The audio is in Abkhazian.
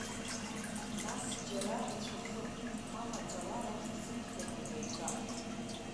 Нас џьара ицәахып, ма маӡала арахь исықәшәартә иҟаиҵап.